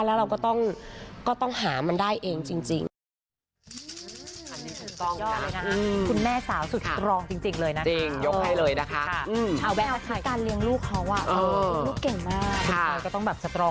แล้วเราก็ต้องหามันได้เองจริง